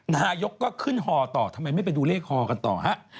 นายกก็ขึ้นฮอต่อทำไมไม่ไปดูเลขฮอกันต่อฮะ